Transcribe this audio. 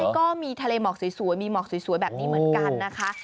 ก็มีทะเลหมอกสวยมีหมอกสวยแบบนี้เหมือนกันนะคะ